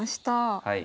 はい。